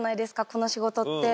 この仕事って。